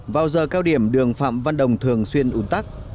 vào giờ cao điểm đường phạm văn đồng thường xuyên ủn tắc